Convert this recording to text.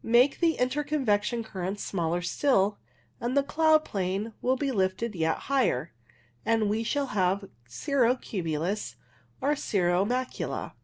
Make the interconvection currents smaller still, and the cloud plane will be lifted yet higher, and we shall have cirro cumulus or cirro macula.